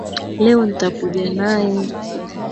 Leo nitakuja naye